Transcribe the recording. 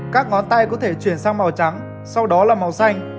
các ngón tay có thể chuyển sang màu trắng sau đó là màu xanh